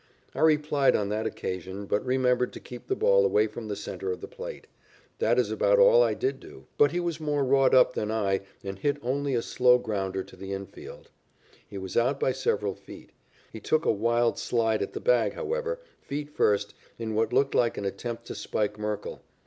I replied on that occasion, but remembered to keep the ball away from the centre of the plate. That is about all I did do, but he was more wrought up than I and hit only a slow grounder to the infield. He was out by several feet. He took a wild slide at the bag, however, feet first, in what looked like an attempt to spike Merkle.